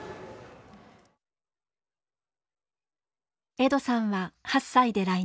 エドさんは８歳で来日。